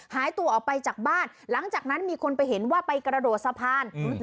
หายตัวออกไปจากบ้านหลังจากนั้นมีคนไปเห็นว่าไปกระโดดสะพาน